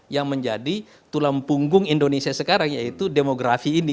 yang menjadi tulang punggung indonesia sekarang yaitu demografi ini